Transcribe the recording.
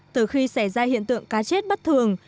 từ khi xảy ra hiện tượng cá chết bất thường